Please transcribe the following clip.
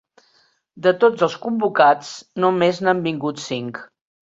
De tots els convocats, només n'han vinguts cinc.